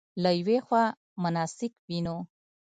له یوې خوا مناسک وینو.